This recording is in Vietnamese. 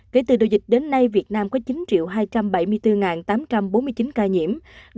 kể từ đầu dịch đến nay việt nam có chín hai trăm bảy mươi bốn tám trăm bốn mươi chín ca nhiễm